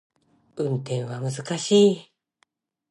運転は難しい